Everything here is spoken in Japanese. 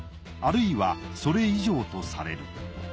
あるいはそれ以上とされる。